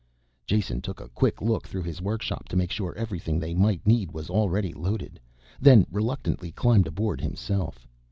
Jason took a quick look through his workshop to make sure everything they might need was already loaded, then reluctantly climbed aboard himself.